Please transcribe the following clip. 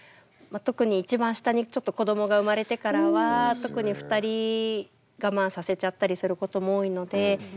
特に一番下にちょっと子どもが生まれてからは特に２人我慢させちゃったりすることも多いので。